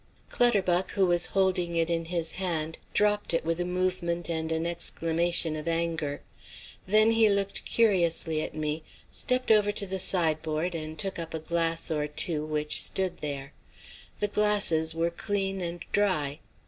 Clutterbuck, who was holding it in his hand, dropped it with a movement and an exclamation of anger. Then he looked curiously at me, stepped over to the sideboard and took up a glass or two which stood there. The glasses were clean and dry.